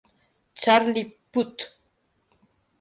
Charlie Puth.